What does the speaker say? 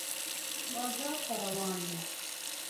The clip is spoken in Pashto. بازار ته روان و